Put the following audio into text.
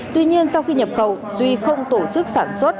tuy nhiên sau khi nhập khẩu duy không tổ chức sản xuất